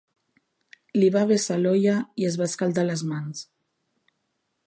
Li va vessar l'olla i es va escaldar les mans.